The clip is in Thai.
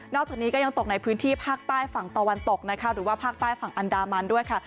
จากนี้ก็ยังตกในพื้นที่ภาคใต้ฝั่งตะวันตกนะคะหรือว่าภาคใต้ฝั่งอันดามันด้วยค่ะ